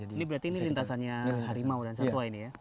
ini berarti ini lintasannya harimau dan satwa ini ya